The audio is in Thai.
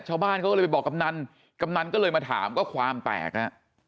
ชาวบ้านเขาก็เลยไปบอกกำนันกำนันก็เลยมาถามก็ความแตกฮะ